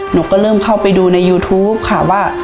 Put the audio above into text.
หนูก็เริ่มเข้าไปดูในยูทูปค่ะว่า